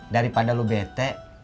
daripada lu bete